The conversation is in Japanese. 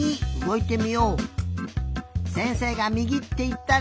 せんせいがみぎっていったら？